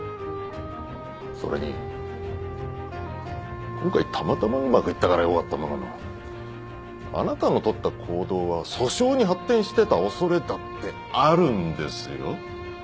それに今回たまたまうまくいったからよかったもののあなたのとった行動は訴訟に発展してた恐れだってあるんですよ。